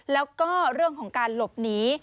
แล้วก็เรื่องของการหลบหนี